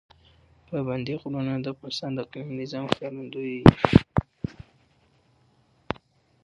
پابندی غرونه د افغانستان د اقلیمي نظام ښکارندوی ده.